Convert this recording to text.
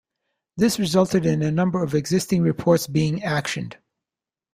This resulted in a number of existing reports being actioned.